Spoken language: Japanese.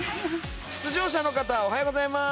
出場者の方おはようございます。